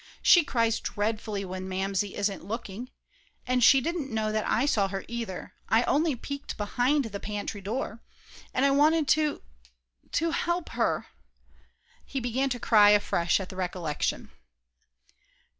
"She cries dreadfully when Mamsie isn't looking. And she didn't know that I saw her, either, only I peeked behind the pantry door. And I wanted to to help her." He began to cry afresh at the recollection.